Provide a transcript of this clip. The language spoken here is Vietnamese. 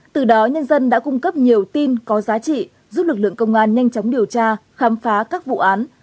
từ đó nhân dân đã cung cấp nhiều tin có giá trị giúp lực lượng công an nhanh chóng điều tra khám phá các vụ án